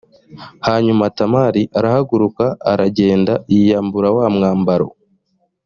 hanyuma tamari arahaguruka aragenda yiyambura wa mwambaro